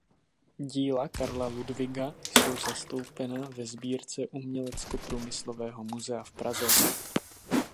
Díla Karla Ludwiga jsou zastoupena ve sbírce Uměleckoprůmyslového muzea v Praze.